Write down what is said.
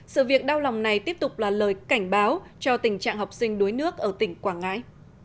sự việc đau lòng này tiếp tục là lời cảnh báo cho tình trạng học sinh đuối nước ở tỉnh quảng ngãi